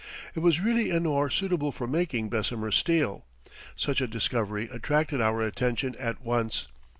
It was really an ore suitable for making Bessemer steel. Such a discovery attracted our attention at once.